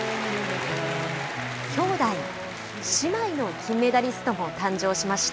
きょうだい・姉妹の金メダリストも誕生しました。